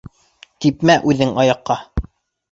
— Типмә үҙең аяҡҡа...